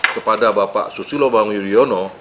kepada bapak susilo bambang yudhoyono